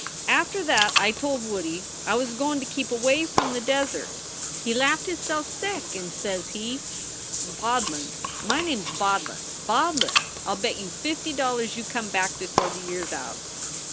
After that I told Woodie I was goin to keep away from the desert. He laughed hisself sick, and says he, Bodlin my name s Bodlin Bodlin, I ll bet you fifty dollars you come back before the year s out.